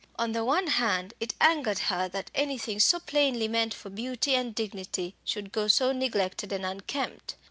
On the one hand, it angered her that anything so plainly meant for beauty and dignity should go so neglected and unkempt.